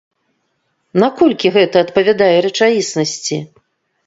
Наколькі гэта адпавядае рэчаіснасці?